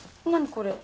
これ。